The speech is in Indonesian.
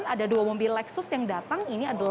ada dua mobil lexus yang datang